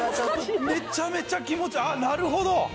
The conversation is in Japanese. めちゃめちゃ気持ちいいあっなるほど！